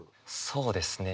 そうですね。